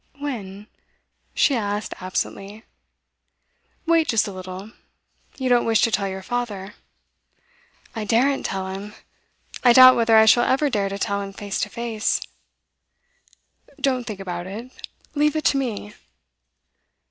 'When?' she asked absently. 'Wait just a little. You don't wish to tell your father?' 'I daren't tell him. I doubt whether I shall ever dare to tell him face to face.' 'Don't think about it. Leave it to me.